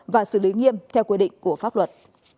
và xử lý nghiêm theo quy định của pháp luật